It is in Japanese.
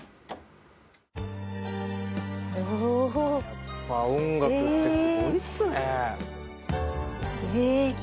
やっぱ音楽ってすごいですね。